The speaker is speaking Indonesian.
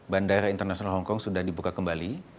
bandara internasional hongkong sudah dibuka kembali